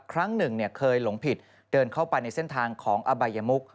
ครั้งหนึ่งเคยหลงผิดเดินเข้าไปในเส้นทางของอบายมุก